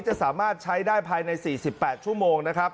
จะสามารถใช้ได้ภายใน๔๘ชั่วโมงนะครับ